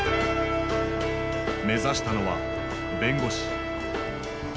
目指したのは弁護士。